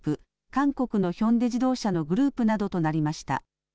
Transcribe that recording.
韓国のヒョンデ自動車のグループなどとなりました。